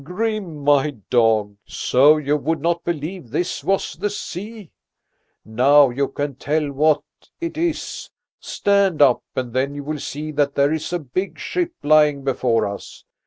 "Grim, my dog, so you would not believe this was the sea! Now you can tell what it is. Stand up, and then you will see that there is a big ship lying before us!